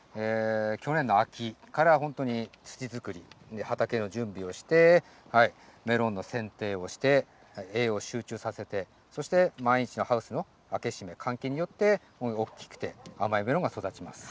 去年の秋から本当に土づくり、畑の準備をして、メロンの選定をして、栄養を集中させて、そして毎日のハウスの開け閉め、換気によって、大きくて甘いメロンが育ちます。